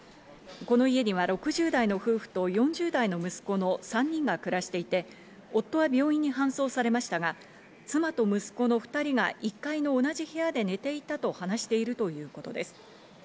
この家には６０代の夫婦と４０代の息子の３人が暮らしていて、夫は病院に搬送されましたが、妻と息子の２人が１階の同じ部屋で寝ていたと話しているということです。